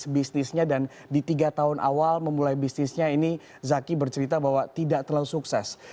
bisnisnya dan di tiga tahun awal memulai bisnisnya ini zaki bercerita bahwa tidak terlalu sukses